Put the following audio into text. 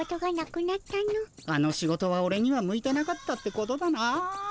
あの仕事はオレには向いてなかったってことだな。